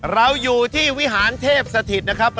เราอยู่ที่วิหารเทพสถิตนะครับ